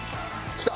きた！